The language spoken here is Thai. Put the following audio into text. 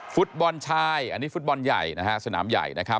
ฟุตบอลชายอันนี้ฟุตบอลใหญ่สนามใหญ่